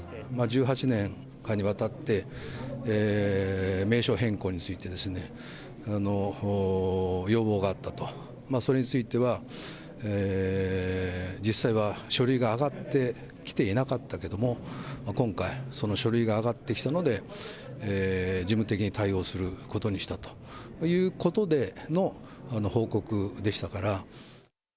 １８年間にわたって、名称変更についてですね、要望があったと、それについては、実際は書類が上がってきていなかったけれども、今回、その書類が上がってきたので、事務的に対応することにしたということでの報告でしたから。